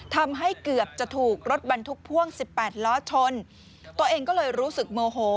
ทำให้เกือบจะถูกรถบรรทุกพ่วงสิบแปดล้อชนตัวเองก็เลยรู้สึกโมโห